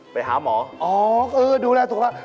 ไปหาหมออ๋อดูแลสุขภาพ